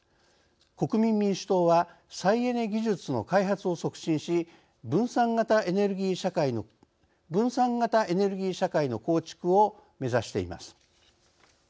国民民主党は「再エネ技術の開発を促進し分散型エネルギー社会の構築」を目指しています。